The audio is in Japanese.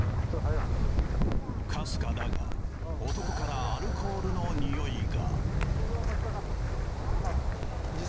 かすかだが男からアルコールの臭いが。